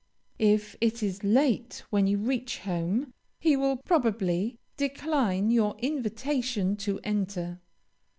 If it is late when you reach home, he will probably decline your invitation to enter.